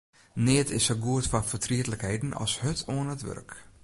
Neat is sa goed foar fertrietlikheden as hurd oan it wurk.